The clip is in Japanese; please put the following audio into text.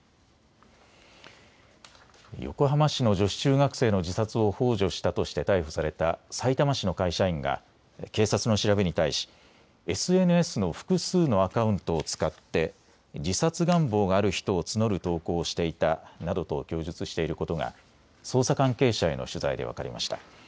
横浜市の女子中学生の自殺をほう助したとして逮捕されたさいたま市の会社員が警察の調べに対しＳＮＳの複数のアカウントを使って自殺願望がある人を募る投稿をしていたなどと供述していることが捜査関係者への取材で分かりました。